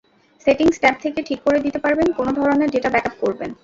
Settings tab থেকে ঠিক করে দিতে পারবেন কোন ধরনের ডেটা ব্যাকআপ করবেন।